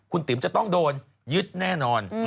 คุณติ๋มจะต้องโดนยึดแน่นอน